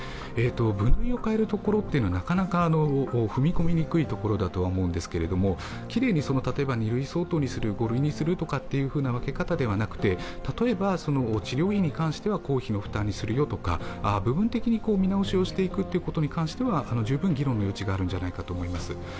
分類を変えるところはなかなか踏み込みにくいところだとだと思うんですけど、きれいにⅡ類相当にする、Ⅴ類にするということではなくて例えば、治療費に関しては公費の負担にするよとか部分的に見直しをしていくことは十分議論する価値があると思います。